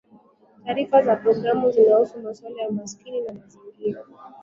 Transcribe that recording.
Taarifa za progamu zinazohusu masuala ya umaskini na mazingira